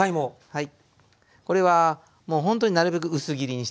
はい。